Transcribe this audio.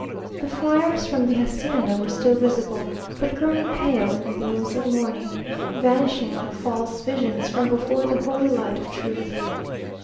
The fires from the hacienda were still visible, but growing pale in the beams of morning, vanishing like false visions from before the holy light of truth.